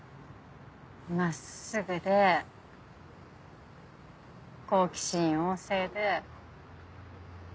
真っすぐで好奇心旺盛で。